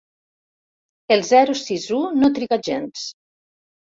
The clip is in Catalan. El zero sis u no triga gens.